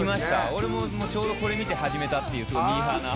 俺も、ちょうどこれ見て始めたっていうミーハーな。